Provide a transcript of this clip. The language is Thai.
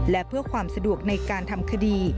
และเพื่อความสะดวกในการทำคดี